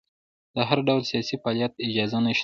د هر ډول سیاسي فعالیت اجازه نشته.